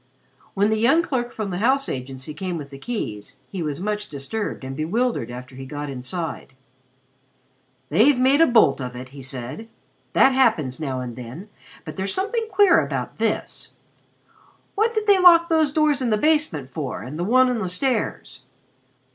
When the young clerk from the house agency came with the keys, he was much disturbed and bewildered after he got inside. "They've made a bolt of it," he said. "That happens now and then, but there's something queer about this. What did they lock these doors in the basement for, and the one on the stairs?